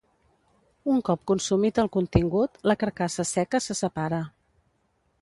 Un cop consumit el contingut, la carcassa seca se separa.